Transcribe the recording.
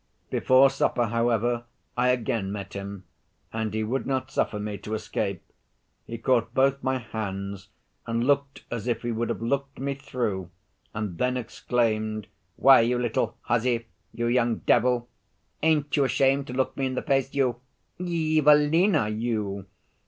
Before supper, however, I again met him, and he would not suffer me to escape; he caught both my hands and looked as if he would have looked me through, and then exclaimed, "Why, you little hussy you young devil! ain't you ashamed to look me in the face, you Evelina, you!